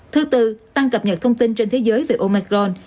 thứ tư tăng cập nhật thông tin trên thế giới về omicron